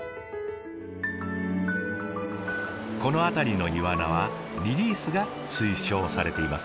この辺りのイワナはリリースが推奨されています。